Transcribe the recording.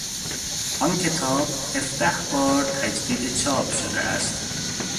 آن کتاب هفده بار تجدید چاپ شده است.